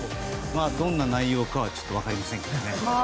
どんな内容かはちょっと分かりませんけどね。